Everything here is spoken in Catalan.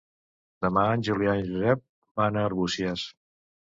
Demà en Julià i en Josep van a Arbúcies.